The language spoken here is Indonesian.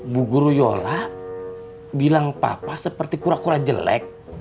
bu guru yola bilang papa seperti kura kura jelek